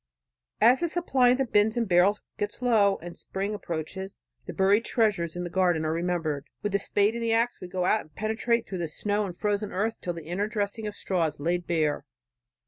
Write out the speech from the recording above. As the supply in the bins and barrels gets low and spring approaches, the buried treasures in the garden are remembered. With spade and axe we go out and penetrate through the snow and frozen earth till the inner dressing of straw is laid bare.